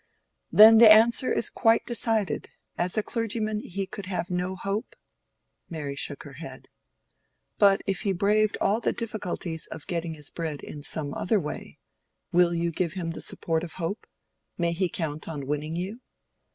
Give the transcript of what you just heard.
"Then the answer is quite decided. As a clergyman he could have no hope?" Mary shook her head. "But if he braved all the difficulties of getting his bread in some other way—will you give him the support of hope? May he count on winning you?"